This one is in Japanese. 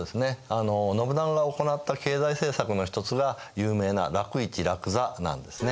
あの信長が行った経済政策の一つが有名な楽市・楽座なんですね。